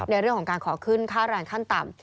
ในเรื่องของการขอขึ้นค่าแรงขั้นต่ำ